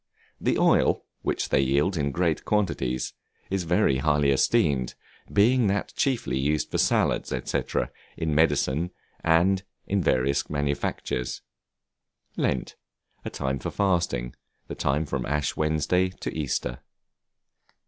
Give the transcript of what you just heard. The oil, which they yield in great quantities, is very highly esteemed; being that chiefly used for salads, &c., in medicine, and in various manufactures. Lent, a time of fasting; the time from Ash Wednesday to Easter.